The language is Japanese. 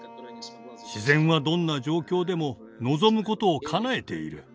自然はどんな状況でも望むことをかなえている。